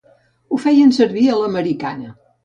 Ho feien servir a l'americana.